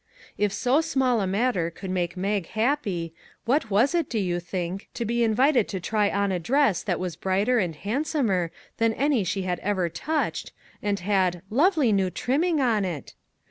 If so small a matter could make Mag happy, what was it, do you think, to be invited to try on a dress that was brighter and handsomer than any she had ever touched, and had " lovely new trimming on it